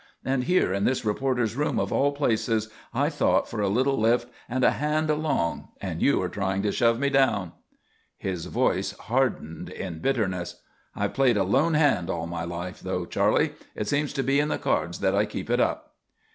And here in this reporters' room of all places I thought for a little lift and a hand along and you are trying to shove me down." His voice hardened in bitterness: "I've played a lone hand all my life, though, Charley; it seems to be in the cards that I keep it up."